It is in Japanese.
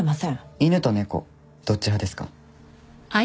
犬と猫どっち派ですか？